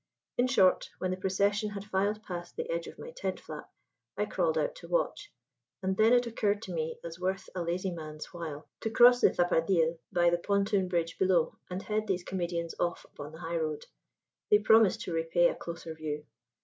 In short, when the procession had filed past the edge of my tent flap, I crawled out to watch: and then it occurred to me as worth a lazy man's while to cross the Zapardiel by the pontoon bridge below and head these comedians off upon the highroad. They promised to repay a closer view.